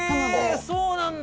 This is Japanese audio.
そうなんだ！